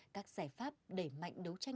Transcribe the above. các giải pháp đẩy mạnh đấu tranh